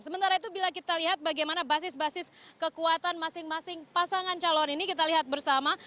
sementara itu bila kita lihat bagaimana basis basis kekuatan masing masing pasangan calon ini kita lihat bersama